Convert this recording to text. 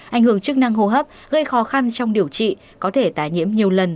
ảnh hưởng chức năng hô hấp gây khó khăn trong điều trị có thể tái nhiễm nhiều lần